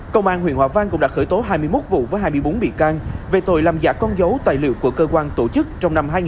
công an huyện hòa vang cũng đã khởi tố hai mươi một vụ với hai mươi bốn bị can về tội làm giả con dấu tài liệu của cơ quan tổ chức trong năm hai nghìn hai mươi ba